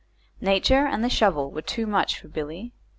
Nature and the shovel were too much for Billy.